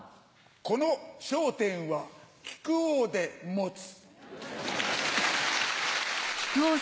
この笑点は、木久扇でもつ。